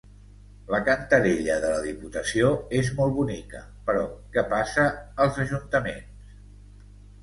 La cantarella de la diputació és molt bonica, però què passa als ajuntaments?